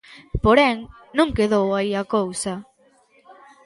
Porén, non quedou aí a cousa.